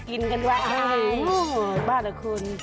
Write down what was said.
เก็บไว้บ้าละคุณ